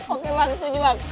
oke bang itu juga bang